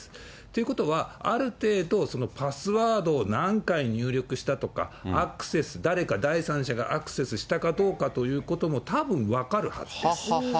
ということは、ある程度そのパスワードを何回入力したとか、アクセス、誰か第三者がアクセスしたかどうかということもたぶん分かるはずです。